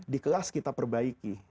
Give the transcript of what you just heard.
di kelas kita perbaiki